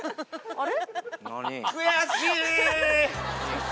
あれ？